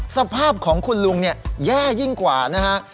สภาพของคุณลุงเนี่ยแย่ยิ่งกว่านะฮะ